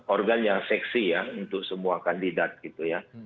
organ yang seksi ya untuk semua kandidat gitu ya